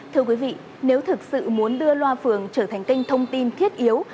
thưa quý vị nếu thực sự muốn đưa loa phường trở thành kênh thông tin thiết yếu